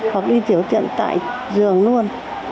hoặc đi tiểu tiện tại giường luôn